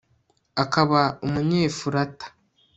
akaba umunyefurata